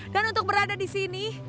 dan untuk berada di sini